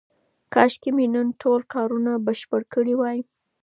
کاشکې مې نن ټول کارونه بشپړ کړي وای.